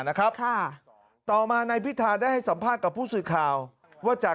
นะครับค่ะต่อมานายพิธาได้ให้สัมภาษณ์กับผู้สื่อข่าวว่าจาก